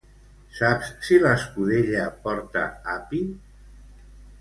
Saps si l'escudella porta api?